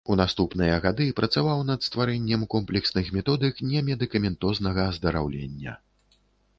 У наступныя гады працаваў над стварэннем комплексных методык немедыкаментознага аздараўлення.